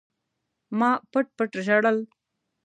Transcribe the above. ما پټ پټ ژړل.